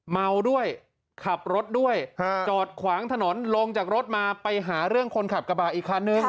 เมาด้วยขับรถด้วยจอดขวางถนนลงจากรถมาไปหาเรื่องคนขับกระบะอีกคันนึง